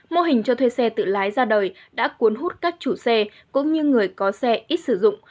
mô hình cho thuê xe tự lái ra đời đã cuốn hút các chủ xe cũng như người có xe ít sử dụng